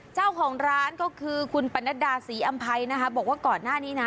เจ้าของร้านก็คือคุณปนัดดาศรีอำภัยนะคะบอกว่าก่อนหน้านี้นะ